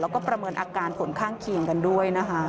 แล้วก็ประเมินอาการผลข้างเคียงกันด้วยนะคะ